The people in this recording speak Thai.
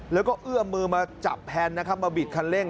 แล้วก็เอื้อมมือมาจับแพนนะครับมาบิดคันเร่ง